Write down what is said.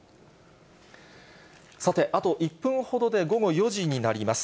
さて、あと１分ほどで午後４時になります。